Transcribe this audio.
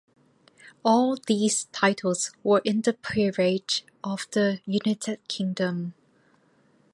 All these titles were in the Peerage of the United Kingdom.